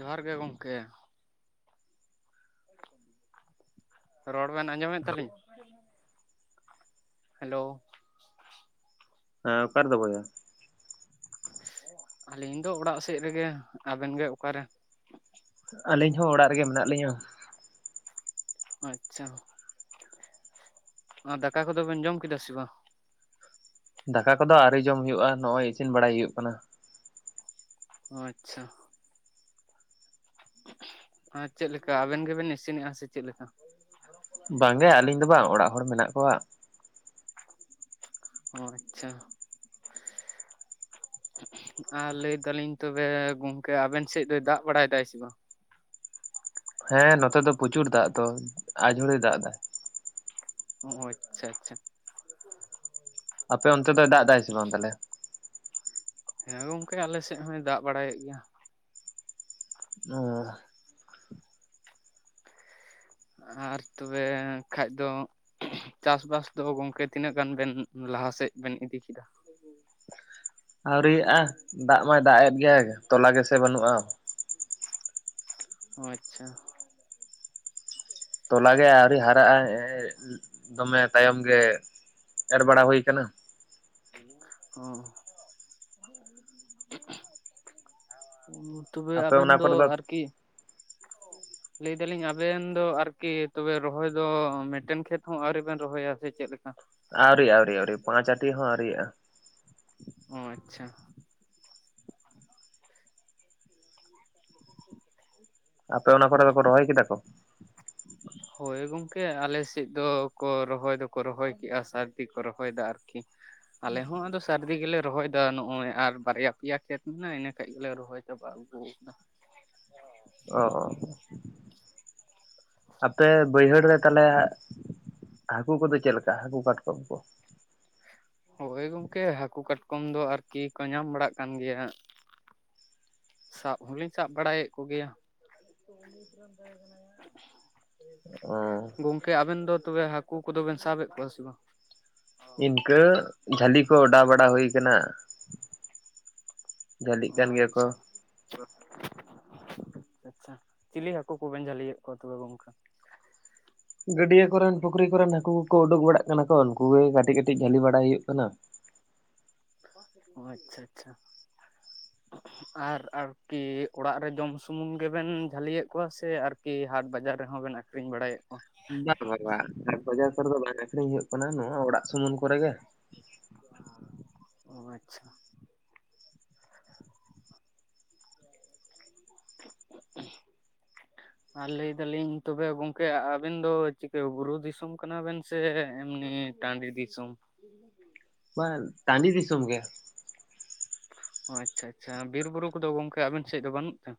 ᱡᱚᱦᱟᱨ ᱜᱮ ᱜᱚᱝᱠᱮ ᱨᱚᱲ ᱵᱮᱱ ᱟᱸᱡᱚᱢᱮᱫ ᱛᱟᱹᱞᱤᱧᱟ? ᱦᱮᱞᱳᱣ᱾ ᱦᱮᱸ ᱚᱠᱟ ᱨᱮᱫᱚ ᱵᱚᱭᱦᱟ? ᱟᱹᱞᱤᱧ ᱫᱚ ᱚᱲᱟᱜ ᱥᱮᱡ ᱨᱮᱜᱮ ᱟᱵᱮᱱ ᱜᱮ ᱚᱠᱟ ᱨᱮ? ᱟᱹᱞᱤᱧ ᱦᱚᱸ ᱚᱲᱟᱜ ᱨᱮᱜᱮ ᱢᱮᱱᱟᱜ ᱞᱤᱧᱟᱹ ᱾ ᱟᱪᱪᱷᱟ ᱟᱨ ᱫᱟᱠᱟ ᱠᱚᱫᱚ ᱵᱮᱱ ᱡᱚᱢ ᱠᱮᱫᱟ ᱥᱮ ᱵᱟᱝ? ᱫᱟᱠᱟ ᱠᱚᱫᱚ ᱟᱨᱣᱨᱤ ᱡᱚᱢ ᱦᱩᱭᱩᱜ-ᱟ ᱱᱚᱜᱚᱭ ᱤᱥᱤᱱ ᱵᱟᱲᱟᱭ ᱦᱩᱭᱩᱜ ᱠᱟᱱᱟ ᱾ ᱚ ᱟᱪᱪᱷᱟ᱾ ᱪᱮᱫ ᱞᱮᱠᱟ ᱟᱵᱮᱱ ᱜᱮᱵᱮᱱ ᱤᱥᱤᱱ ᱮᱫᱟ ᱥᱮ ᱪᱮᱫ ᱞᱮᱠᱟ? ᱵᱟᱝ ᱜᱮ ᱟᱞᱤᱧ ᱫᱚ ᱵᱟᱝ ᱚᱲᱟᱜ ᱦᱚᱲ ᱢᱮᱱᱟᱜ ᱠᱚᱣᱟ ᱾ ᱚ ᱟᱪᱪᱷᱟ᱾ ᱟᱨ ᱞᱟᱹᱭ ᱫᱟᱞᱤᱧ ᱛᱚᱵᱮ ᱜᱚᱝᱠᱮ ᱟᱵᱮᱱ ᱥᱮᱫ ᱫᱚᱭ ᱫᱟᱜ ᱵᱟᱲᱟᱭ ᱫᱟᱭ ᱥᱮ ᱵᱟᱝ? ᱦᱮᱸ ᱱᱚᱛᱮ ᱫᱚ ᱯᱨᱚᱪᱩᱨ ᱫᱟᱜ ᱫᱚ ᱟᱡᱷᱩᱲᱟᱹ ᱫᱟᱜ ᱫᱟᱭ ᱾ ᱚ ᱟᱪᱪᱷᱟ ᱟᱪᱪᱷᱟ᱾ ᱟᱯᱮ ᱚᱱᱛᱮ ᱫᱚ ᱫᱟᱜ ᱮᱫᱟᱭ ᱥᱮ ᱵᱟᱝ ᱛᱟᱦᱚᱞᱮ? ᱦᱮᱸ ᱜᱚᱝᱠᱮ ᱟᱞᱮ ᱥᱮᱫ ᱦᱚᱭ ᱫᱟᱜ ᱵᱟᱲᱟᱭᱮᱫ ᱜᱮᱭᱟ ᱾ ᱚᱻ [unintelligible] ᱟᱨ ᱛᱚᱵᱮ ᱠᱷᱟᱡ ᱫᱚ ᱪᱟᱥᱵᱟᱥ ᱫᱚ ᱜᱚᱝᱠᱮ ᱛᱤᱱᱟᱹᱜ ᱜᱟᱱ ᱵᱮᱱ ᱞᱟᱦᱟᱥᱮᱫ ᱵᱮᱱ ᱤᱫᱤ ᱠᱮᱫᱟ? ᱟᱹᱣᱨᱤᱭᱟᱜᱼᱟ ᱫᱟᱜ ᱢᱟᱭ ᱫᱟᱜ ᱮᱫ ᱜᱮ ᱛᱚᱞᱟ ᱜᱮᱥᱮ ᱵᱟᱹᱱᱩᱜᱼᱟ᱾ ᱚ ᱟᱪᱪᱷᱟ᱾ ᱛᱚᱞᱟᱜᱮ ᱟᱹᱣᱨᱤ ᱦᱟᱨᱟᱜ ᱟᱭ ᱫᱚᱢᱮ ᱛᱟᱭᱚᱢ ᱜᱮ ᱮᱨ ᱵᱟᱲᱟ ᱦᱩᱭ ᱟᱠᱟᱱᱟ᱾ ᱚ [unintelligible] ᱛᱚᱵᱮ ᱟᱯᱮ ᱟᱵᱮᱱ ᱚᱱᱟ ᱫᱚ ᱠᱚᱨᱮ ᱟᱨᱠᱤ ᱞᱟᱹᱭᱫᱟᱞᱤᱧ ᱟᱵᱮᱱ ᱫᱚ ᱟᱨᱠᱤ ᱛᱚᱵᱮ ᱨᱚᱦᱚᱭ ᱫᱚ ᱢᱤᱫᱴᱮᱱ ᱠᱷᱮᱛ ᱦᱚᱸ ᱟᱹᱣᱨᱤ ᱵᱮᱱ ᱨᱚᱦᱚᱭᱟ ᱥᱮ ᱪᱮᱫᱞᱠᱟ? ᱟᱹᱣᱨᱤ ᱟᱹᱣᱨᱤ ᱟᱹᱣᱨᱤ ᱯᱟᱸᱪ ᱟᱹᱴᱤ ᱦᱚᱸ ᱟ. ᱣᱨᱤᱭᱟᱜ-ᱟ᱾ ᱚ ᱟᱪᱪᱷᱟ᱾ [inaudible] [inaudible] ᱟᱯᱮ ᱚᱱᱟᱠᱚᱨᱮ ᱠᱚ ᱨᱚᱦᱚᱭ ᱠᱮᱫᱟ ᱠᱚ? ᱦᱳᱭ ᱜᱚᱝᱠᱮ ᱟᱞᱮ ᱥᱮᱫ ᱫᱚᱠᱚ ᱨᱚᱦᱚᱭ ᱫᱚᱠᱚ ᱨᱚᱦᱚᱭ ᱠᱮᱫᱼᱟ ᱥᱟᱹᱨᱫᱤ ᱠᱚ ᱨᱚᱦᱚᱭᱮᱫᱟ ᱟᱨᱠᱤ᱾ ᱟᱞᱮ ᱦᱚᱸ ᱟᱫᱚ ᱥᱟᱹᱨᱫᱤ ᱜᱮᱞᱮ ᱨᱚᱦᱚᱭᱮᱫᱟ ᱱᱚᱜᱼᱚᱭ ᱟᱨ ᱵᱟᱨᱭᱟ ᱯᱮᱭᱟ ᱠᱷᱮᱛ ᱢᱮᱱᱟᱜᱼᱟ ᱤᱱᱟᱹ ᱠᱷᱟᱱ ᱜᱮᱞᱮ ᱨᱚᱦᱚᱭ [unintelligible] ᱚ ᱚ ᱾ ᱟᱯᱮ ᱵᱟᱹᱭᱦᱟᱹᱲ ᱨᱮ ᱛᱟᱞᱦᱮ ᱦᱟᱹᱠᱩ ᱠᱚᱫᱚ ᱪᱮᱫᱞᱮᱠᱟ ᱦᱟᱹᱠᱩ ᱠᱟᱴᱠᱚᱢ ᱠᱚ? ᱦᱳᱭ ᱜᱚᱝᱠᱮ ᱦᱟᱹᱠᱩ ᱠᱟᱴᱠᱚᱢ ᱫᱚ ᱟᱨᱠᱤ ᱠᱚ ᱧᱟᱢ ᱵᱟᱲᱟᱜ ᱠᱟᱱ ᱜᱮᱭᱟ᱾ ᱥᱟᱵ ᱦᱚᱞᱤᱧ ᱥᱟᱵ ᱵᱟᱲᱟᱭᱮᱫ ᱠᱚᱜᱮᱭᱟ᱾ ᱚ ᱜᱚᱝᱠᱮ ᱟᱵᱮᱱ ᱫᱚ ᱛᱚᱵᱮ ᱦᱟᱹᱠᱩ ᱠᱚᱫᱚ ᱵᱮᱱ ᱥᱟᱵᱮᱫ ᱠᱚᱣᱟ ᱥᱮ ᱵᱟᱝ? ᱤᱱᱠᱟᱹ ᱡᱷᱟᱹᱞᱤ ᱠᱚ ᱚᱰᱟᱣ ᱵᱟᱲᱟ ᱦᱩᱭ ᱟᱠᱟᱱᱟ᱾ ᱡᱷᱟᱹᱞᱤᱜ ᱚ ᱠᱟᱱ ᱜᱮᱭᱟ ᱠᱚ ᱟᱪᱪᱷᱟ᱾ ᱚ ᱟᱪᱪᱷᱟ ᱪᱤᱞᱤ ᱦᱟᱹᱠᱩ ᱠᱚᱵᱮᱱ ᱡᱷᱟᱹᱞᱤᱭᱮᱫ ᱠᱚᱣᱟ ᱛᱚᱵᱮ ᱜᱚᱝᱠᱮ? ᱜᱟᱹᱰᱭᱟᱹ ᱠᱚᱨᱮᱱ ᱯᱩᱠᱷᱨᱤ ᱠᱚᱨᱮᱱ ᱦᱟᱹᱠᱩ ᱠᱚᱠᱚ ᱩᱰᱩᱠ ᱵᱟᱲᱟᱜ ᱠᱟᱱᱟ ᱠᱚ ᱩᱱᱠᱩ ᱜᱮ ᱠᱟᱹᱴᱤᱡ ᱠᱟᱹᱴᱤᱡ ᱡᱟᱹᱞᱤ ᱵᱟᱲᱟᱭ ᱦᱩᱭᱩᱜ ᱠᱟᱱᱟ᱾ ᱚ ᱟᱪᱪᱷᱟ ᱟᱪᱪᱷᱟ᱾ ᱟᱨ ᱟᱨᱠᱤ ᱚᱲᱟᱜ ᱨᱮ ᱡᱚᱢ ᱥᱩᱢᱩᱝ ᱜᱮᱵᱮᱱ ᱡᱷᱟᱹᱞᱤᱭᱮᱫ ᱠᱚᱣᱟ ᱥᱮ ᱟᱨ ᱠᱤ ᱦᱟᱴ ᱵᱟᱡᱟᱨ ᱨᱮᱸᱦᱚ ᱵᱮᱱ ᱟᱹᱠᱷᱨᱤᱧ ᱵᱟᱲᱟᱭᱮᱫ᱾ ᱠᱚᱣᱟ ᱵᱟᱝ ᱵᱟᱝ ᱵᱟᱝ ᱟ ᱦᱟᱴ ᱵᱟᱡᱟᱨ ᱠᱚᱨᱮ ᱫᱚ ᱵᱟᱝ ᱟᱠᱷᱨᱤᱧ ᱦᱩᱭᱩᱜ ᱠᱟᱱᱟ, ᱱᱚᱣᱟ ᱚᱲᱟᱜ ᱥᱩᱢᱩᱱ ᱠᱚᱨᱮ ᱜᱮ᱾ ᱚ ᱟᱪᱪᱷᱟ᱾ ᱟᱨ ᱞᱟᱹᱭ ᱫᱟᱞᱤᱧ ᱛᱚᱵᱮ ᱜᱚᱢᱠᱮ ᱟᱵᱮᱱ ᱫᱚ ᱪᱤᱠᱟᱹ ᱵᱩᱨᱩ ᱫᱤᱥᱚᱢ ᱠᱟᱱᱟ ᱵᱮᱱ? ᱥᱮ ᱮᱢᱱᱤ ᱴᱟᱺᱰᱤ ᱫᱤᱥᱚᱢ? [inaudible] ᱵᱟᱝ ᱴᱟᱺᱰᱤ ᱫᱤᱥᱚᱢ ᱜᱮ᱾ ᱚ ᱟᱪᱪᱷᱟ ᱟᱪᱪᱷᱟ ᱵᱤᱨ ᱵᱩᱨᱩ ᱠᱚᱫᱚ ᱜᱚᱢᱠᱮ ᱟᱵᱮᱱ ᱥᱮᱫ ᱫᱚ ᱵᱟᱹᱱᱩᱜ ᱛᱮ?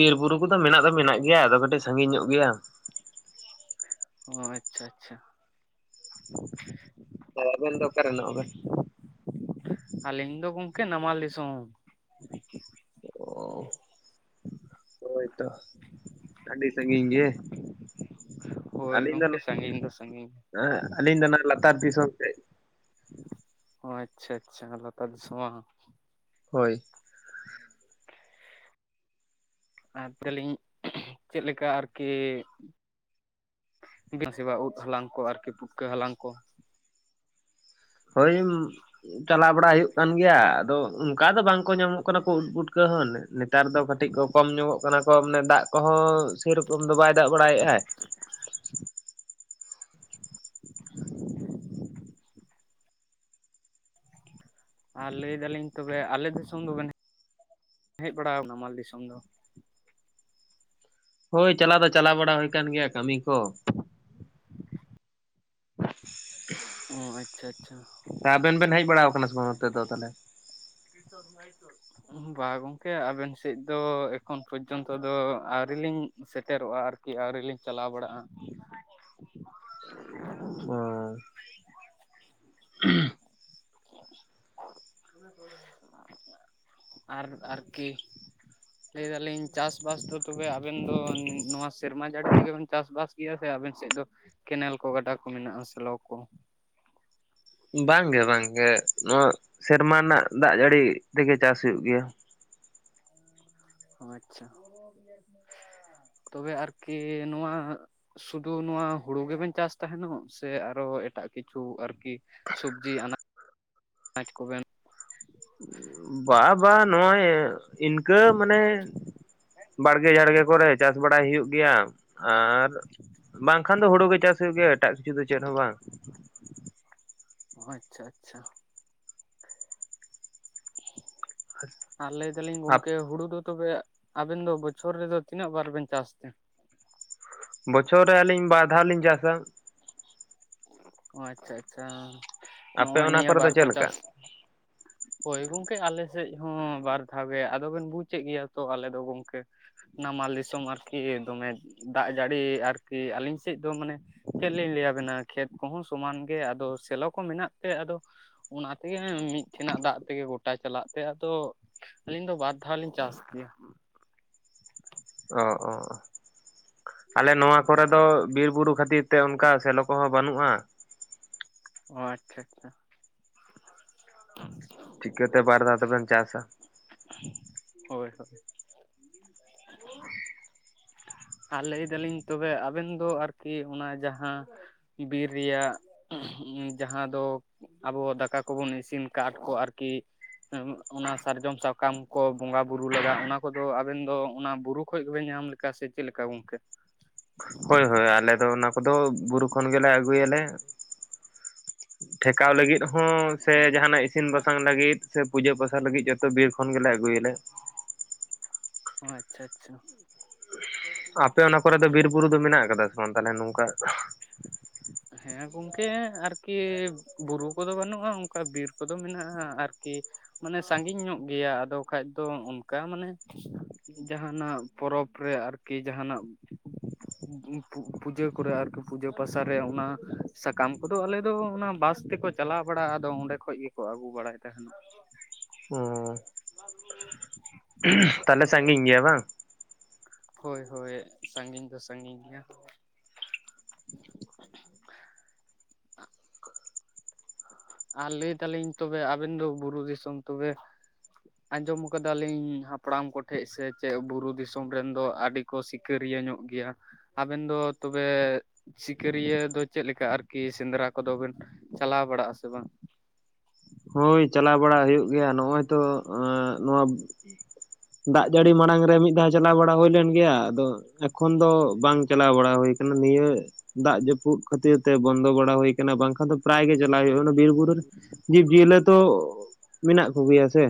ᱵᱤᱨ ᱵᱩᱨᱩ ᱠᱚᱫᱚ ᱢᱮᱱᱟᱜ ᱫᱚ ᱢᱮᱱᱟᱜ ᱜᱮᱭᱟ, ᱟᱫᱚ ᱠᱟᱹᱴᱤᱡ ᱥᱟᱺᱜᱤᱧ ᱧᱚᱜ ᱜᱮᱭᱟ᱾ ᱚ ᱟᱪᱪᱷᱟ ᱟᱪᱪᱷᱟ᱾ ᱛᱚ ᱟᱵᱮᱱ ᱫᱚ ᱚᱠᱟᱨᱮ [unintelligible] ᱟᱹᱞᱤᱧ ᱫᱚ ᱜᱚᱢᱠᱮ ᱱᱟᱢᱟᱞ ᱫᱤᱥᱚᱢ᱾ ᱚᱻ᱾ ᱦᱳᱭ ᱛᱚ ᱟ. ᱰᱤ ᱥᱟᱺᱜᱤᱧ ᱜᱮ᱾ ᱦᱳᱭ ᱟᱹᱞᱤᱧ ᱫᱚ ᱜᱚᱝᱠᱮ ᱥᱟᱺᱜᱤᱧ ᱫᱚ ᱥᱟᱺᱜᱤᱧ [inaudible] ᱦᱮᱸ ᱟᱹᱞᱤᱧ ᱫᱚ ᱚᱱᱟ ᱞᱟᱛᱟᱨ ᱫᱤᱥᱚᱢ ᱥᱮᱫ᱾ ᱚ ᱟᱪᱪᱷᱟ ᱟᱪᱪᱷᱟ ᱞᱟᱛᱟᱨ ᱫᱤᱥᱚᱢ ᱵᱟᱸ᱾ ᱦᱳᱭ᱾ ᱟᱨ ᱛᱟᱞᱤᱧ ᱪᱮᱫ ᱞᱮᱠᱟ ᱟᱨᱠᱤ ᱵᱤᱨ [unintelligible] ᱩᱫ ᱦᱟᱞᱟᱝ ᱠᱚ ᱟᱨᱠᱤ ᱯᱷᱩᱴᱠᱟᱹ ᱦᱟᱞᱟᱝ ᱠᱚ᱾ ᱦᱳᱭ ᱪᱟᱞᱟᱣ ᱵᱟᱲᱟ ᱦᱩᱭᱩᱜ ᱠᱟᱱ ᱜᱮᱭᱟ, ᱟᱫᱚ ᱚᱱᱠᱟ ᱫᱚ ᱵᱟᱝᱠᱚ ᱧᱟᱢᱚᱜ ᱠᱟᱱᱟ ᱠᱚ ᱩᱫ ᱵᱩᱴᱠᱟᱹ ᱦᱚᱸ ᱱᱮᱛᱟᱨ ᱫᱚ ᱠᱟᱹᱴᱤᱡ ᱠᱚ ᱠᱚᱢ ᱧᱚᱜᱚᱜ ᱠᱟᱱᱟ ᱠᱚ ᱢᱟᱱᱮ ᱫᱟᱜ ᱠᱚᱦᱚᱸ ᱥᱮᱨᱚᱠᱚᱢ ᱫᱚ ᱵᱟᱭ ᱫᱟᱜ ᱵᱟᱲᱟᱭᱮᱫᱟᱭ᱾ [unintelligible] ᱟᱨ ᱞᱟᱹᱭ ᱫᱟᱞᱤᱧ ᱛᱚᱵᱮ ᱟᱞᱮ ᱫᱤᱥᱚᱢ ᱫᱚᱵᱮᱱ ᱦᱮᱡ ᱵᱟᱲᱟᱣ ᱱᱟᱢᱟᱞ ᱫᱤᱥᱚᱢ ᱫᱚ᱾ ᱦᱳᱭ ᱪᱟᱞᱟᱣ ᱫᱚ ᱪᱟᱞᱟᱣ ᱵᱟᱲᱟ ᱦᱩᱭ ᱟᱠᱟᱱ ᱜᱮᱭᱟ ᱠᱟᱹᱢᱤ ᱠᱚ᱾ ᱚ ᱟᱪᱪᱷᱟ ᱟᱪᱪᱷᱟ᱾ ᱥᱮ ᱟᱵᱮᱱ ᱵᱮᱱ ᱦᱮᱡ ᱵᱟᱲᱟᱣ ᱠᱟᱱᱟ ᱥᱮ ᱵᱟᱝ ᱱᱚᱛᱮ ᱫᱚ ᱛᱟᱦᱚᱞᱮ? [unintelligible] ᱵᱟᱝ ᱜᱚᱢᱠᱮ ᱟᱵᱮᱱ ᱥᱮᱫ ᱫᱚ ᱮᱠᱷᱚᱱ ᱯᱚᱨᱡᱚᱱᱛᱚ ᱫᱚ ᱟᱹᱣᱨᱤ ᱞᱤᱧ ᱥᱮᱴᱮᱨᱚᱜᱼᱟ ᱟᱨ ᱠᱤ ᱟᱹᱣᱨᱤ ᱞᱤᱧ ᱪᱟᱞᱟᱣ ᱵᱟᱲᱟᱜᱼᱟ᱾ [unintelligible] ᱚ ᱟᱨ ᱟᱨᱠᱤ᱾ ᱞᱟᱹᱭ ᱫᱟᱞᱤᱧ ᱪᱟᱥᱼᱵᱟᱥ ᱫᱚ ᱛᱚᱵᱮ ᱟᱵᱮᱱ ᱫᱚ ᱱᱚᱣᱟ ᱥᱮᱨᱢᱟ ᱡᱟᱹᱲᱤ ᱛᱮᱜᱮ ᱵᱮᱱ ᱪᱟᱥᱼᱵᱟᱥ ᱠᱤᱭᱟᱹ ᱥᱮ ᱟᱵᱮᱱ ᱥᱮᱫ ᱫᱚ ᱠᱮᱱᱮᱞ ᱠᱚ, ᱜᱟᱰᱟ ᱠᱚ ᱢᱮᱱᱟᱜᱼᱟ ᱥᱮᱞᱚ ᱠᱚ᱾ ᱵᱟᱝ ᱜᱮ ᱵᱟᱝ ᱜᱮ ᱱᱚᱣᱟ ᱥᱮᱨᱢᱟ ᱨᱮᱱᱟᱜ ᱫᱟᱜ ᱡᱟᱹᱲᱤ ᱛᱮᱜᱮ ᱪᱟᱥ ᱦᱩᱭᱩᱜ ᱜᱮᱭᱟ᱾ ᱚ ᱟᱪᱪᱷᱟ, ᱛᱚᱵᱮ ᱟᱨᱠᱤ ᱱᱚᱣᱟ ᱥᱩᱫᱩ ᱱᱚᱣᱟ ᱦᱩᱲᱩ ᱜᱮᱵᱮᱱ ᱪᱟᱥ ᱛᱟᱸᱦᱮᱱᱚᱜ ᱥᱮ ᱟᱨᱚ ᱮᱴᱟᱜ ᱠᱤᱪᱷᱩ ᱟᱨᱠᱤ? ᱥᱚᱵᱡᱤ ᱟᱱᱟ ᱠᱟᱪ ᱠᱚᱵᱮᱱ ᱵᱟ ᱵᱟ ᱱᱚᱜᱼᱚᱭ ᱤᱱᱠᱟᱹ ᱢᱟᱱᱮ ᱵᱟᱲᱜᱮ ᱡᱷᱟᱲᱜᱮ ᱠᱚᱨᱮ ᱪᱟᱥ ᱵᱟᱲᱟᱭ ᱦᱩᱭᱩᱜ ᱜᱮᱭᱟ, ᱟᱨ ᱵᱟᱝᱠᱷᱟᱱ ᱫᱚ ᱦᱩᱲᱩ ᱜᱮ ᱪᱟᱥ ᱦᱩᱭᱩᱜ ᱜᱮᱭᱟ ᱮᱴᱟᱜ ᱠᱤᱪᱷᱩ ᱫᱚ ᱪᱮᱫ ᱦᱚᱸ ᱵᱟᱝ᱾ ᱚ ᱟᱪᱪᱷᱟ ᱟᱪᱪᱷᱟ᱾ ᱟᱨ ᱞᱮᱭ ᱫᱟᱞᱤᱧ ᱜᱚᱝᱠᱮ ᱦᱳᱲᱳ ᱫᱚ ᱛᱚᱵᱮ ᱟᱵᱮᱱ ᱫᱚ ᱵᱚᱪᱷᱚᱨ ᱨᱮᱫᱚ ᱛᱤᱱᱟᱹᱜ ᱵᱟᱨ ᱵᱮᱱ ᱪᱟᱥ ᱛᱮ? ᱵᱚᱪᱷᱚᱨ ᱨᱮ ᱟᱹᱞᱤᱧ ᱵᱟᱨ ᱫᱷᱟᱣ ᱞᱤᱧ ᱪᱟᱥᱟ᱾ ᱚ ᱟᱪᱪᱷᱟ ᱟᱪᱪᱷᱟ ᱟᱯᱮ ᱱᱚᱜᱼᱚᱭ ᱚᱱᱟ ᱱᱤᱭᱟᱹ ᱠᱚᱨᱮ ᱫᱚ ᱵᱟᱨ ᱠᱚ ᱪᱮᱫ ᱞᱮᱠᱟ ᱪᱟᱥ ᱦᱳᱭ ᱜᱚᱝᱠᱮ ᱟᱞᱮ ᱥᱮᱫ ᱦᱚᱸ ᱵᱟᱨ ᱫᱷᱟᱣ ᱜᱮ ᱟᱫᱚᱵᱮᱱ ᱵᱩᱡᱮᱫ ᱜᱮᱭᱟ ᱛᱚ ᱟᱞᱮ ᱫᱚ ᱜᱚᱢᱠᱮ, ᱱᱟᱢᱟᱞ ᱫᱤᱥᱚᱢ ᱟᱨᱠᱤ ᱫᱚᱢᱮ, ᱫᱟᱜ ᱡᱟᱹᱲᱤ ᱟᱨᱠᱤ ᱟᱹᱞᱤᱧ ᱥᱮᱫ ᱫᱚ ᱢᱟᱱᱮ ᱪᱮᱫ ᱞᱤᱧ ᱞᱮᱭ ᱟᱵᱮᱱᱟ᱾ ᱠᱷᱮᱛ ᱠᱚᱦᱚᱸ ᱥᱚᱢᱟᱱ ᱜᱮ ᱟᱫᱚ ᱥᱮᱞᱚ ᱠᱚ ᱢᱮᱱᱟᱜ ᱛᱮ ᱟᱫᱚ, ᱚᱱᱟ ᱛᱮᱜᱮ ᱢᱤᱫ ᱴᱷᱮᱱᱟᱜ ᱫᱟᱜ ᱛᱮᱜᱮ ᱜᱚᱴᱟ ᱪᱟᱞᱟᱜ ᱛᱮ ᱟᱫᱚ, ᱟᱹᱞᱤᱧ ᱫᱚ ᱵᱟᱨ ᱫᱷᱟᱣ ᱞᱤᱧ ᱪᱟᱥ ᱜᱮᱭᱟ᱾ ᱚ ᱚ ᱟᱞᱮ ᱱᱚᱣᱟ ᱠᱚᱨᱮ ᱫᱚ ᱵᱤᱨ ᱵᱩᱨᱩ ᱠᱷᱟᱹᱛᱤᱨ ᱛᱮ ᱚᱱᱠᱟ ᱥᱮᱞᱳ ᱠᱚᱦᱚᱸ ᱵᱟᱹᱱᱩᱜᱼᱟ᱾ ᱚ ᱟᱪᱪᱷᱟ ᱟᱪᱪᱷᱟ᱾ ᱪᱤᱠᱟᱹᱛᱮ ᱵᱟᱨ ᱫᱷᱟᱣ ᱫᱚᱵᱮᱱ ᱪᱟᱥᱟ᱾ ᱦᱳᱭ ᱦᱳᱭ᱾ ᱟᱨ ᱞᱮᱭ ᱫᱟᱞᱤᱧ ᱛᱚᱵᱮ ᱟᱵᱮᱱ ᱫᱚ ᱟᱨᱠᱤ ᱚᱱᱟ ᱡᱟᱦᱟ, ᱸ ᱵᱤᱨ ᱨᱮᱭᱟᱜ ᱡᱟᱦᱟᱸ ᱫᱚ, ᱟᱵᱚ ᱫᱟᱠᱟ ᱠᱚᱵᱚᱱ ᱤᱥᱤᱱ ᱠᱟᱴ ᱠᱚ ᱟᱨᱠᱤ, ᱚᱱᱟ ᱥᱟᱨᱡᱚᱢ ᱥᱟᱠᱟᱢ ᱠᱚ ᱵᱚᱸᱜᱟ ᱵᱩᱨᱩ ᱞᱟᱜᱟᱜ ᱚᱱᱟ ᱠᱚᱫᱚ ᱟᱵᱮᱱ ᱫᱚ ᱚᱱᱟ ᱵᱩᱨᱩ ᱠᱷᱚᱡ ᱜᱮᱵᱮᱱ ᱧᱟᱢ ᱞᱮ ᱠᱟ ᱥᱮ ᱪᱮᱫ ᱞᱮᱠᱟ ᱜᱚᱢᱠᱮ? ᱦᱳᱭ ᱦᱳᱭ ᱟᱞᱮ ᱫᱚ ᱚᱱᱟ ᱠᱚᱫᱚ ᱵᱩᱨᱩ ᱠᱷᱚᱱ ᱜᱮᱞᱮ ᱟᱹᱜᱩᱭᱟᱞᱮ᱾ ᱴᱷᱮᱠᱟᱣ ᱞᱟᱹᱜᱤᱫ ᱦᱚᱸ ᱥᱮ ᱡᱟᱦᱟᱱᱟᱜ ᱤᱥᱤᱱ ᱵᱟᱥᱟᱝ ᱞᱟᱹᱜᱤᱫ ᱥᱮ ᱯᱩᱡᱟᱹ ᱯᱟᱥᱟ ᱞᱟᱹᱜᱤᱫ ᱡᱚᱛᱚ ᱵᱤᱨ ᱠᱷᱚᱱ ᱜᱮᱞᱮ ᱟᱹᱜᱩᱭᱟᱞᱮ᱾ ᱚ ᱟᱪᱪᱷᱟ ᱟᱪᱪᱷᱟ᱾ ᱟᱯᱮ ᱚᱱᱟ ᱠᱚᱨᱮ ᱫᱚ ᱵᱤᱨ ᱵᱩᱨᱩ ᱫᱚ ᱢᱮᱱᱟᱜ ᱟᱠᱟᱫᱟ ᱥᱮ ᱵᱟᱝ ᱛᱟᱦᱟᱞᱮ ᱱᱚᱝᱠᱟ? [unintelligible] ᱦᱮᱸ ᱜᱚᱢᱠᱮ ᱟᱨᱠᱤ ᱵᱩᱨᱩ ᱠᱚᱫᱚ ᱵᱟᱱᱩᱜᱼᱟ ᱚᱝᱠᱟ ᱵᱤᱨ ᱠᱚᱫᱚ ᱢᱮᱱᱟᱜᱼᱟ ᱟᱨᱠᱤ ᱼᱼ ᱢᱟᱱᱮ ᱥᱟᱺᱜᱤᱧ ᱧᱚᱜ ᱜᱮᱭᱟ ᱟᱫᱚ ᱠᱷᱟᱱᱡ ᱫᱚ ᱚᱱᱠᱟ ᱢᱟᱱᱮ, ᱡᱟᱦᱟᱱᱟᱜ ᱯᱚᱨᱚᱵᱽᱼᱼ ᱨᱮ ᱟᱨᱠᱤ ᱡᱟᱦᱟᱱᱟᱜᱼᱼ ᱯᱩ ᱯᱩᱡᱟᱹ ᱠᱚᱨᱮ ᱟᱨᱠᱤ ᱯᱩᱡᱟᱹ ᱯᱟᱥᱟ ᱨᱮ ᱚᱱᱟ ᱥᱟᱠᱟᱢ ᱠᱚᱫᱚ ᱟᱞᱮ ᱫᱚ ᱚᱱᱟ ᱵᱟᱥ ᱛᱮᱠᱚᱼᱼ ᱪᱟᱞᱟᱣ ᱵᱟᱲᱟᱜᱼᱟ ᱟᱫᱚ ᱚᱸᱰᱮ ᱠᱷᱚᱡ ᱜᱮᱠᱚ ᱟᱹᱜᱩ ᱵᱟᱲᱟᱭ ᱛᱟᱦᱮᱱᱚᱜ᱾ ᱩᱸᱻ [unintelligible] ᱛᱟᱦᱟᱞᱮ ᱥᱟᱺᱜᱤᱧ ᱜᱮᱭᱟ ᱵᱟᱝ? ᱦᱳᱭ ᱦᱳᱭ ᱥᱟᱺᱜᱤᱧ ᱫᱚ ᱥᱟᱺᱜᱤᱧ ᱜᱮᱭᱟ ᱾ ᱟᱨ ᱞᱮᱭ ᱫᱟᱞᱤᱧ ᱛᱚᱵᱮ ᱟᱵᱮᱱ ᱫᱚ ᱵᱩᱨᱩ ᱫᱤᱥᱚᱢ ᱛᱚᱵᱮᱼᱼ ᱟᱸᱡᱚᱢ ᱟᱠᱟᱫᱟᱞᱤᱧ ᱦᱟᱯᱲᱟᱢ ᱠᱚᱴᱷᱮᱡ ᱥᱮ ᱪᱮᱫ ᱵᱩᱨᱩ ᱫᱤᱥᱚᱢ ᱨᱮᱱ ᱫᱚ ᱟᱰᱤᱼᱼ ᱠᱚ ᱥᱤᱠᱟᱹᱨᱤᱭᱟᱹ ᱧᱚᱜ ᱜᱮᱭᱟ ᱾ ᱟᱵᱮᱱ ᱫᱚ ᱛᱚᱵᱮ, ᱥᱤᱠᱟᱹᱨᱤᱭᱟᱹ ᱫᱚ ᱪᱮᱫ ᱞᱮᱠᱟ ᱟᱨᱠᱤ ᱥᱮᱸᱫᱽᱨᱟ ᱠᱚᱫᱚ ᱵᱮᱱᱼᱼ ᱪᱟᱞᱟᱣ ᱵᱟᱲᱟᱜᱼᱟ ᱥᱮᱵᱟᱝ? ᱦᱳᱭ ᱪᱟᱞᱟᱣ ᱵᱟᱲᱟ ᱦᱩᱭᱩᱜ ᱜᱮᱭᱟ ᱱᱚᱜᱼᱚᱭ ᱛᱚ ᱮᱸᱜ ᱱᱚᱣᱟᱼᱼ ᱫᱟᱜ ᱡᱟᱹᱲᱤ ᱢᱟᱲᱟᱝ ᱨᱮ ᱢᱤᱫ ᱫᱷᱟᱣ ᱪᱟᱞᱟᱣ ᱵᱟᱲᱟ ᱦᱩᱭ ᱞᱮᱱ ᱜᱮᱭᱟ᱾ ᱟᱫᱚᱼᱼ ᱮᱠᱷᱚᱱ ᱫᱚ ᱵᱟᱝ ᱪᱟᱞᱟᱣ ᱵᱟᱲᱟ ᱦᱳᱭ ᱟᱠᱟᱱᱟ ᱱᱤᱭᱟᱹᱼᱼ ᱫᱟᱜ ᱡᱟᱹᱯᱩᱫ ᱠᱷᱟᱹᱛᱤᱨ ᱛᱮ ᱵᱚᱱᱫᱚ ᱵᱟᱲᱟ ᱦᱩᱭ ᱟᱠᱟᱱᱟ ᱵᱟᱝᱠᱷᱟᱱ ᱫᱚ ᱯᱨᱟᱭ ᱜᱮ ᱪᱟᱞᱟᱜ ᱦᱩᱭᱩᱜᱼᱟ ᱚᱱᱮ ᱵᱤᱨ ᱵᱩᱨᱩ ᱨᱮ ᱼᱼ ᱡᱤᱭᱞᱟᱹ ᱛᱚ ᱢᱮᱱᱟᱜ ᱠᱚᱜᱮᱭᱟ ᱥᱮ᱾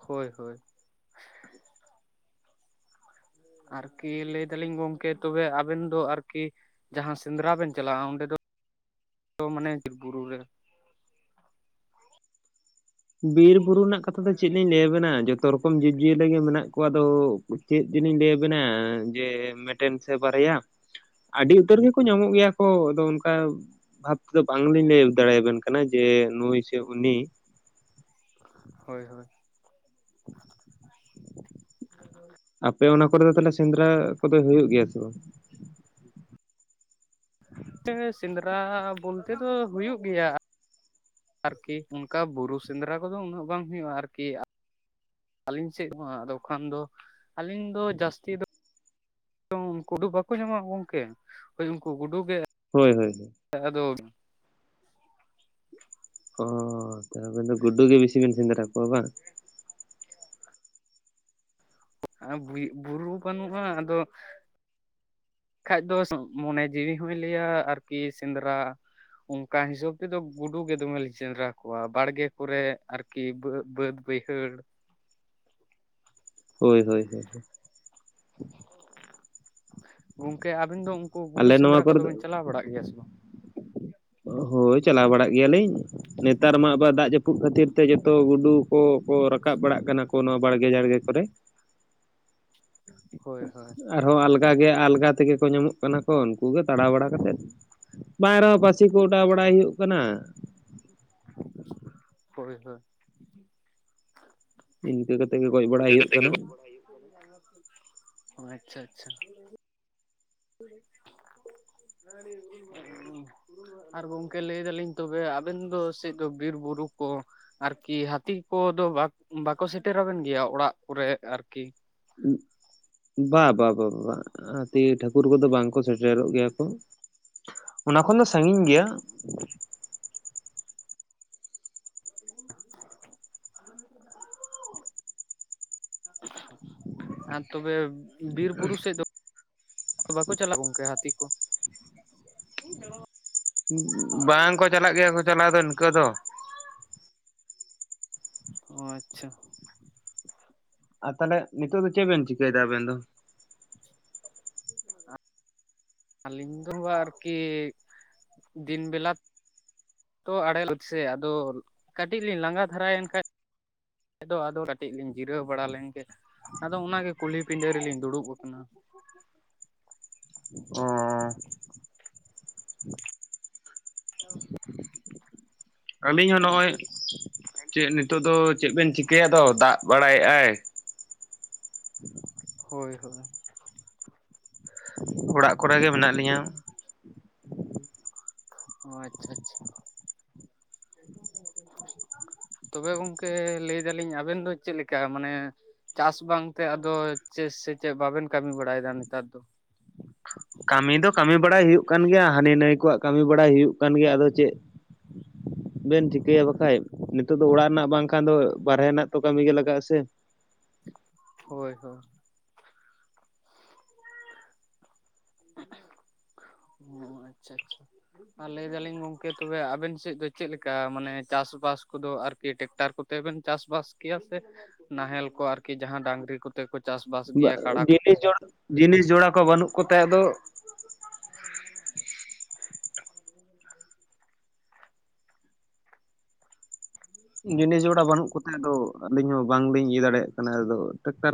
ᱦᱳᱭ ᱦᱳᱭ᱾ ᱟᱨᱠᱤ ᱞᱮᱭ ᱫᱟᱞᱤᱧ ᱜᱚᱢᱠᱮ ᱛᱚᱵᱮ ᱟᱵᱮᱱ ᱫᱚ ᱟᱨᱠᱤᱼᱼ ᱡᱟᱦᱟᱸ ᱥᱮᱸᱫᱽᱨᱟ ᱵᱮᱱ ᱪᱟᱞᱟᱜᱼᱟ ᱚᱸᱰᱮ ᱫᱚ ᱢᱟᱱᱮ ᱵᱤᱨ ᱵᱩᱨᱩ ᱨᱮᱼᱼ ᱵᱤᱨ ᱵᱩᱨᱩ ᱨᱮᱱᱟᱜ ᱠᱟᱛᱷᱟ ᱫᱚ ᱪᱮᱫ ᱞᱤᱧ ᱞᱟᱹᱭᱟᱵᱮᱱᱟ ᱡᱚᱛᱚ ᱨᱚᱠᱚᱢ ᱡᱤᱵᱽᱡᱤᱭᱟᱹᱞᱤ ᱜᱮ ᱢᱮᱱᱟᱜ ᱠᱚᱣᱟ ᱾ ᱟᱫᱚ ᱪᱮᱫ ᱡᱤᱞᱤᱧ ᱞᱟᱹᱭ ᱟᱵᱤᱱᱟ ᱡᱮ ᱢᱤᱫᱴᱮᱱ ᱥᱮ ᱵᱟᱨᱭᱟ ᱼᱼ ᱟᱹᱰᱤ ᱩᱛᱟᱹᱨ ᱜᱮᱠᱚ ᱧᱟᱢᱚᱜ ᱜᱮᱭᱟ ᱠᱚ ᱟᱫᱚ ᱚᱱᱠᱟᱼᱼ ᱵᱷᱟᱵ ᱛᱮᱫᱚ ᱵᱟᱝᱞᱤᱧ ᱞᱟᱹᱭ ᱫᱟᱲᱮᱭᱟᱵᱮᱱ ᱠᱟᱱᱟ ᱡᱮ ᱱᱩᱭ ᱥᱮ ᱩᱱᱤᱼᱼ ᱦᱳᱭ ᱦᱳᱭ ᱾ ᱟᱯᱮ ᱚᱱᱟ ᱠᱚᱨᱮᱫᱚ ᱛᱟᱦᱚᱞᱮ ᱥᱮᱸᱫᱽᱨᱟ ᱠᱚᱫᱚ ᱦᱩᱭᱩᱜ ᱜᱮᱭᱟ ᱥᱮ ᱵᱟᱝ? ᱛᱮ ᱥᱮᱸᱫᱽᱨᱟ ᱵᱚᱞᱛᱮ ᱫᱚ ᱦᱩᱭᱩᱜ ᱜᱮᱭᱟ᱾ ᱟᱨᱠᱤ ᱚᱱᱠᱟ ᱵᱩᱨᱩ ᱥᱮᱸᱫᱽᱨᱟ ᱠᱚᱫᱚ ᱩᱱᱟᱹᱜ ᱵᱟᱝ ᱦᱩᱭᱩᱜᱼᱟ ᱟᱨᱠᱤᱼᱼ ᱟᱹᱞᱤᱧ ᱥᱮᱫ ᱦᱚᱸ ᱟᱫᱚ ᱠᱷᱟᱱ ᱫᱚ ᱟᱹᱞᱤᱧ ᱫᱚ ᱡᱟᱹᱥᱛᱤ ᱫᱚᱼᱼ ᱩᱝᱠᱩ ᱠᱩᱰᱩ ᱵᱟᱠᱚ ᱧᱟᱢᱚᱜᱼᱟ ᱜᱚᱝᱠᱮ ᱦᱳᱭ ᱩᱱᱠᱩ ᱜᱩᱰᱩ ᱜᱮᱼᱼ ᱦᱳᱭ ᱦᱳᱭ ᱦᱳᱭ᱾ ᱟᱫᱚᱼᱼ ᱚᱻ ᱛᱟᱵᱤᱱ ᱫᱚ ᱜᱩᱰᱩ ᱜᱮ ᱵᱤᱥᱤ ᱵᱤᱱ ᱥᱮᱸᱽᱨᱟ ᱠᱚᱣᱟ ᱵᱟᱝ? ᱟᱸ ᱵᱩᱭ ᱵᱩᱨᱩ ᱵᱟᱹᱱᱩᱜᱼᱟ ᱟᱫᱚᱼᱼ ᱠᱷᱟᱡ ᱫᱚ ᱢᱚᱱᱮ ᱡᱤᱣᱤ ᱦᱚᱸᱭ ᱞᱟᱹᱭᱟ ᱟᱨᱠᱤ ᱥᱮᱸᱫᱽᱨᱟ᱾ ᱚᱝᱠᱟ ᱦᱤᱥᱟᱹᱵ ᱛᱮᱫᱚ ᱜᱩᱰᱩ ᱜᱮ ᱫᱚᱢᱮᱞᱤᱧ ᱥᱮᱸᱽᱨᱟ ᱠᱚᱣᱟ ᱵᱟᱲᱜᱮ ᱠᱚᱨᱮ ᱟᱨᱼᱼ ᱠᱤ ᱵᱟᱹ ᱵᱟᱹᱫᱽ ᱵᱟᱹᱭᱦᱟᱹᱲᱼᱼ ᱦᱳᱭ ᱦᱳᱭ ᱦᱳᱭ ᱦᱳᱭ᱾ ᱜᱚᱝᱠᱮ ᱟᱵᱤᱱ ᱫᱚ ᱩᱝᱠᱩ ᱜᱩᱰᱩ ᱟᱞᱮ ᱥᱮᱸᱫᱽᱨᱟ ᱱᱚᱣᱟ ᱠᱚᱨᱮ ᱠᱚᱫᱚ ᱫᱚ ᱵᱤᱱ ᱪᱟᱞᱟᱣ ᱵᱟᱲᱟᱜ ᱜᱮᱭᱟ ᱥᱮ ᱵᱟᱝ? ᱦᱳᱭ ᱪᱟᱞᱟᱣ ᱵᱟᱲᱟᱜ ᱜᱮᱭᱟᱞᱤᱧ, ᱱᱮᱛᱟᱨ ᱢᱟ ᱟᱵᱟᱨ ᱫᱟᱜ ᱡᱟᱯᱩᱼᱼ ᱡᱟᱯᱩᱜ ᱠᱷᱟᱛᱤᱨ ᱛᱮ ᱡᱚᱛᱚ ᱜᱩᱰᱩ ᱠᱚᱠᱚ ᱨᱟᱠᱟᱵ ᱵᱟᱲᱟᱜ ᱠᱟᱱᱟ ᱠᱚ ᱱᱚᱣᱟ ᱵᱟᱲᱜᱮ ᱡᱟᱲᱜᱮ ᱠᱚᱨᱮᱼᱼ ᱦᱳᱭ ᱦᱳᱭ ᱾ ᱟᱨᱦᱚ ᱟᱞᱜᱟ ᱜᱮᱭᱟ ᱟᱞᱜᱟ ᱛᱮᱜᱮ ᱠᱚ ᱧᱟᱢᱚᱜ ᱠᱟᱱᱟ ᱠᱚ ᱩᱱᱠᱩ ᱜᱮ ᱛᱟᱲᱟᱣ ᱵᱟᱲᱟ ᱠᱟᱛᱮᱫ ᱵᱟᱝ ᱨᱮᱦᱚᱸ ᱯᱟᱥᱼᱼ ᱪᱤ ᱠᱚ ᱚᱰᱟᱣ ᱵᱟᱲᱟᱭ ᱦᱩᱭᱩᱜ ᱠᱟᱱᱟ ᱾ ᱦᱳᱭ ᱦᱳᱭ ᱾ ᱤᱱᱠᱟᱹ ᱠᱟ ᱠᱟᱛᱮ ᱜᱮ ᱜᱚᱡ ᱵᱟᱲᱟᱭ ᱦᱳᱭᱳᱜ ᱠᱟᱱᱟ ᱾ ᱚ ᱟᱪᱪᱷᱟ ᱟᱪᱪᱷᱟ᱾ [unintelligible] ᱟᱨ ᱜᱚᱝᱠᱮ ᱞᱟᱹᱭ ᱫᱟᱞᱤᱧ ᱛᱚᱵᱮ ᱟᱵᱮᱱ ᱫᱚ ᱥᱮᱫ ᱫᱚ ᱵᱤᱨ ᱵᱩᱨᱩ ᱠᱚ ᱟᱨᱠᱤ ᱦᱟᱹᱛᱤ ᱠᱚᱫᱚ ᱵᱟᱠᱚ ᱥᱮᱴᱮᱨᱵᱮᱱ ᱜᱮᱭᱟ, ᱚᱲᱟᱜ ᱠᱚᱨᱮ ᱟᱹᱨᱠᱤ? [unintelligible] ᱵᱟ ᱵᱟ ᱵᱟ ᱦᱟᱹᱛᱤ ᱴᱷᱟᱹᱠᱩᱨ ᱠᱚᱫᱚ ᱵᱟᱝ ᱠᱚ ᱥᱮᱴᱮᱨᱚᱜ ᱜᱮᱭᱟ ᱠᱚ᱾ ᱚᱱᱟ ᱠᱷᱚᱱ ᱫᱚ ᱥᱟᱺᱜᱤᱧ ᱜᱮᱭᱟ᱾ [unintelligible] ᱟᱨ ᱛᱚᱵᱮ ᱵᱤᱨ ᱵᱩᱨᱩ ᱥᱮᱫ ᱫᱚ ᱵᱟᱠᱚ ᱪᱟᱞᱟᱜᱼᱟ, ᱜᱚᱢᱠᱮ ᱦᱟᱹᱛᱤ ᱠᱚ? [inaudible] ᱵᱟᱝ ᱠᱚ ᱪᱟᱞᱟᱜ ᱜᱮᱭᱟ ᱠᱚ ᱪᱟᱞᱟᱣ ᱫᱚ, ᱤᱱᱠᱟᱹ ᱫᱚ᱾ ᱚ ᱟᱪᱪᱷᱟ᱾ ᱟᱨ ᱛᱟᱦᱚᱞᱮ ᱱᱤᱛᱚᱜ ᱫᱚ ᱪᱮᱫ ᱵᱮᱱ ᱪᱤᱠᱟᱹᱭ ᱮᱫᱟ ᱟᱵᱮᱱ ᱫᱚ? [inaudible] ᱟᱹᱞᱤᱧ ᱫᱚ ᱟᱨᱠᱤ ᱫᱤᱱ ᱵᱮᱞᱟ᱾ ᱟᱲᱮ ᱞᱟ ᱥᱮ, ᱠᱟᱹᱴᱤᱡ ᱞᱤᱧ ᱞᱟᱸᱜᱟ ᱫᱷᱟᱨᱟᱭᱮᱱ ᱠᱷᱟᱱ ᱟᱫᱚ ᱟᱫᱚ ᱠᱟᱹᱴᱤᱡ ᱞᱤᱧ ᱡᱤᱨᱟᱹᱣ ᱵᱟᱲᱟ ᱞᱮᱱ ᱜᱮ ᱟᱫᱚ ᱚᱱᱟ ᱜᱮ ᱠᱩᱞᱦᱤ ᱯᱤᱰᱟᱹ ᱨᱮᱞᱤᱧ ᱫᱩᱲᱩᱵ ᱟᱠᱟᱱᱟ᱾ ᱚ [unintelligible] ᱟᱹᱞᱤᱧ ᱦᱚᱸ ᱱᱚᱜ-ᱚᱭ ᱪᱮᱫ ᱱᱤᱛᱚᱜ ᱫᱚ ᱪᱮᱫ ᱵᱮᱱ ᱪᱤᱠᱟᱹᱭᱟ ᱟᱫᱚ? ᱫᱟᱜ ᱵᱟᱲᱟᱭ ᱮᱫ-ᱟᱭ᱾ ᱦᱳᱭ ᱦᱳᱭ᱾ ᱚᱲᱟᱜ ᱠᱚᱨᱮ ᱜᱮ ᱢᱮᱱᱟᱜ ᱞᱤᱧᱟᱹ᱾ ᱚ ᱟᱪᱪᱷᱟ ᱟᱪᱪᱷᱟ᱾ ᱛᱚᱵᱮ ᱜᱚᱝᱠᱮ ᱞᱟᱹᱭ ᱫᱟᱹᱞᱤᱧ ᱟᱵᱮᱱ ᱫᱚ ᱪᱮᱫ ᱞᱮᱠᱟ ᱢᱟᱱᱮ ᱪᱟᱥ ᱵᱟᱝ ᱛᱮ ᱟᱫᱚ ᱪᱮᱫ ᱥᱮ ᱪᱮᱫ ᱵᱟᱵᱮᱱ ᱠᱟᱹᱢᱤ ᱵᱟᱲᱟᱭ ᱮᱫᱟ ᱱᱮᱛᱟᱨ ᱫᱚ? ᱠᱟᱹᱢᱤ ᱫᱚ ᱠᱟᱹᱢᱤ ᱵᱟᱲᱟᱭ ᱦᱩᱭᱩᱜ ᱠᱟᱱ ᱜᱮᱭᱟ, ᱦᱟᱹᱱᱤ ᱱᱟᱹᱭ ᱠᱚᱣᱟᱜ ᱠᱟᱹᱢᱤ ᱵᱟᱲᱟᱭ ᱦᱩᱭᱩᱜ ᱠᱟᱱ ᱜᱮᱭᱟ ᱟᱫᱚ ᱪᱮᱫ ᱵᱮᱱ ᱪᱤᱠᱟᱹᱭᱟ ᱵᱟᱠᱷᱟᱡ? ᱱᱤᱛᱚᱜ ᱫᱚ ᱚᱲᱟᱜ ᱨᱮᱱᱟᱜ ᱵᱟᱝᱠᱷᱟᱱ ᱫᱚ ᱵᱟᱨᱦᱮ ᱨᱮᱱᱟᱜ ᱛᱚ ᱠᱟᱹᱢᱤ ᱜᱮ ᱞᱟᱜᱟᱜ-ᱟ ᱥᱮ᱾ ᱦᱳᱭ ᱦᱳᱭ ᱚ ᱟᱪᱪᱷᱟ ᱟᱪᱪᱷᱟ ᱟᱨ ᱞᱟᱹᱭ ᱫᱟᱹᱞᱤᱧ ᱜᱚᱝᱠᱮ ᱛᱚᱵᱮ ᱟᱵᱮᱱ ᱥᱮᱫ ᱫᱚ ᱪᱮᱫ ᱞᱮᱠᱟ ᱢᱟᱱᱮ ᱪᱟᱥ-ᱵᱟᱥ ᱠᱚᱫᱚ ᱟᱹᱨᱠᱤ ᱴᱮᱠ ᱴᱟᱨ ᱠᱚᱛᱮ ᱵᱮᱱ ᱪᱟᱥ-ᱵᱟᱥ ᱠᱮᱭᱟ ᱥᱮ ᱱᱟᱦᱮᱞ ᱠᱚ ᱟᱨᱠᱤ ᱡᱟᱦᱟᱸ ᱰᱟᱹᱝᱨᱤ ᱠᱩ ᱛᱮ ᱠᱚ ᱪᱟᱥ-ᱵᱟᱥ ᱜᱮᱭᱟ ᱠᱟᱰᱟ ᱠᱚᱛᱮ? ᱡᱤᱱᱤᱥ ᱡᱚᱲᱟ ᱡᱤᱱᱤᱥ ᱡᱚᱲᱟ ᱠᱚ ᱵᱟᱹᱱᱩᱜ ᱠᱚᱛᱮ ᱟᱫᱚ [unintelligible] ᱡᱤᱱᱤᱥ ᱡᱚᱲᱟ ᱵᱟᱹᱱᱩᱜ ᱠᱚᱛᱮ ᱟᱫᱚ ᱟᱹᱞᱤᱧ ᱦᱚᱸ ᱵᱟᱝ ᱞᱤᱧ ᱤᱭᱟᱹ ᱫᱟᱲᱮᱭᱟᱜ ᱠᱟᱱᱟ᱾ ᱟᱫᱚ ᱴᱮᱠᱴᱟᱨ